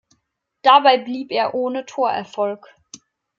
Dabei blieb er ohne Torerfolg.